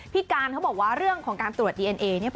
พี่การเขาบอกว่าเรื่องของการตรวจดีเอ็นเอ